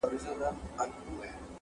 چا ته لا سکروټي یم سور اور یمه,